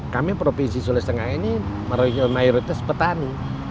kami provinsi sulawesi tengah ini mayoritas petani